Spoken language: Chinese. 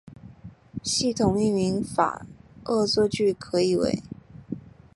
系统命名法恶作剧可以为